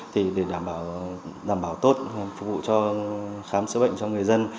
thì để đảm bảo tốt phục vụ cho khám sữa bệnh cho người dân